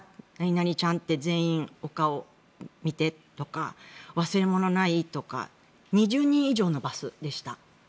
何々ちゃんって全員、お顔を見てとか忘れ物ない？とか２０人以上のバスでした。